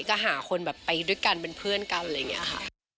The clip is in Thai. จะหาคนแบบไปด้วยกันเป็นเพื่อนกันอะไรอย่างนี้ค่ะ